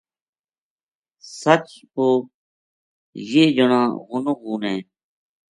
سچ پو یہ جنا غونو غون ہے